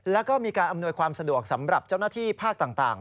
แล้วก็มีการอำนวยความสะดวกสำหรับเจ้าหน้าที่ภาคต่าง